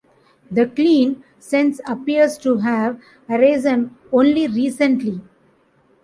The "clean" sense appears to have arisen only recently.